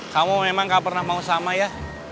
kamu memang gak pernah mau sama ya